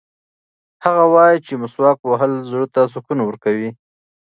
هغه وایي چې مسواک وهل زړه ته سکون ورکوي.